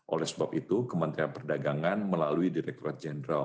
oleh sebab itu kementerian perdagangan melalui direkturat jenderal